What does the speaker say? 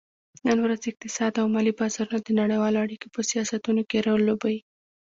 نن ورځ اقتصاد او مالي بازارونه د نړیوالو اړیکو په سیاستونو کې رول لوبوي